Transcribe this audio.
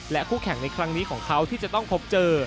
คู่แข่งในครั้งนี้ของเขาที่จะต้องพบเจอ